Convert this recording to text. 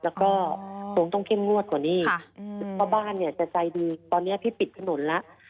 แล้วก็คงต้องเข้มงวดกว่านี้เพราะบ้านเนี่ยจะใจดีตอนนี้พี่ปิดถนนแล้ว